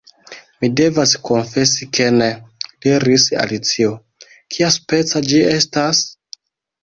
"Mi devas konfesi ke ne," diris Alicio. "Kiaspeca ĝi estas?"